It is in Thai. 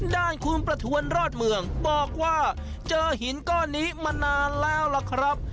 ด้านคุณประทวนรอดเมืองบอกว่าเจอหินก้อนนี้มานานแล้วล่ะครับ